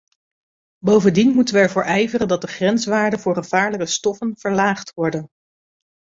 Bovendien moeten we ervoor ijveren dat de grenswaarden voor gevaarlijke stoffen verlaagd worden.